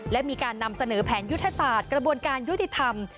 และมีการนำเสนอแผนยุทธศาสตร์กระบวนการยุติธรรม